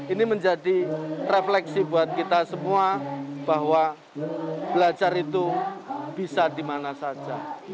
ini menjadi refleksi buat kita semua bahwa belajar itu bisa dimana saja